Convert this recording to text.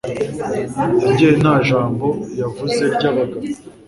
Yagiye nta jambo yavuze ryabagabo.